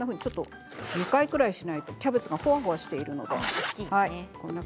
２回ぐらいしないとキャベツがごわごわしているので。